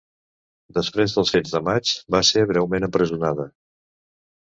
Després dels Fets de Maig, va ser breument empresonada.